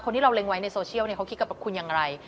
ที่เราเล็งไว้ในโซเชียลเขาคิดกับคุณอย่างไร